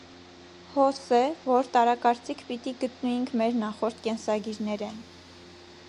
Հոս է, որ տարակարծիք պիտի գտնուինք մեր նախորդ կենսագիրներէն։